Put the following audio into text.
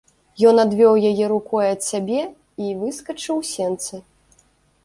Ён адвёў яе рукою ад сябе і выскачыў у сенцы.